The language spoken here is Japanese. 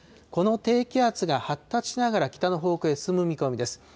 この低気圧が発達しながら北の方向へ進む見込みです。